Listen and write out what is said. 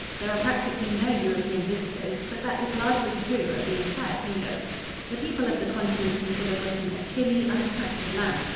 There are practically no European visitors, but that is largely true of the entire Kingdom. The people of the Continent consider Britain a chilly, unattractive land.